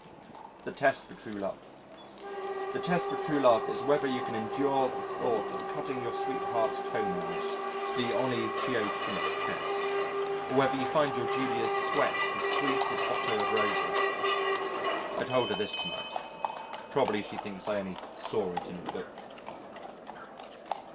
The Test for True Love The test for true love is whether you can endure the thought of cutting your sweetheart's toe nails the onychiotomic test. Or whether you find your Julia's sweat as sweet as otto of roses. I told her this to night. Probably she thinks I only "saw it in a book."